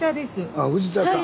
あ藤田さん。